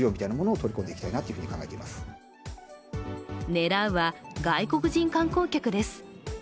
狙うは、外国人観光客です。